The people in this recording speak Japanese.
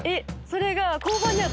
それが。